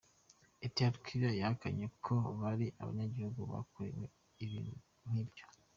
Reta ya Turkia yahakanye ko hari abanyagihugu bakorewe ibintu nk’ivyo.